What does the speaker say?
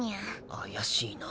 怪しいな。